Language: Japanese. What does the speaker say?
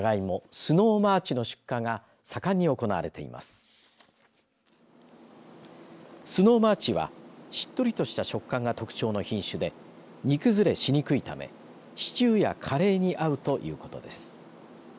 スノーマーチはしっとりとした食感が特徴の品種で煮崩れしにくいためシチューやカレーに合うということです。